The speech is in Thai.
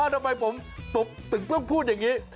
อ้าวทำไมผมตกตึกต้องพูดอย่างนี้